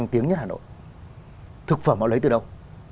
thực phẩm họ lấy từ đâu